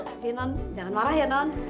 bibi non jangan marah ya non